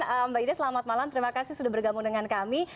mbak ida selamat malam terima kasih sudah bergabung dengan kami